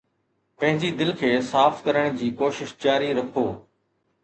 پنهنجي دل کي صاف ڪرڻ جي ڪوشش جاري رکو.